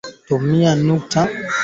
jamuhuri ya kidemokrasia ya Kongo